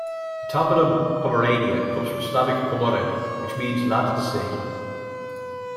The toponym Pomerania comes from Slavic po more, which means Land at the Sea.